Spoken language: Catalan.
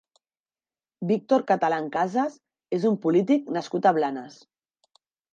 Víctor Catalan Casas és un polític nascut a Blanes.